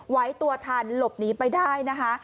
ไว้ตัวทันหลบหนีไปได้นะคะ